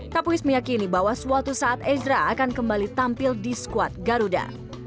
kapuis meyakini bahwa suatu saat ezra akan kembali tampil di squad garuda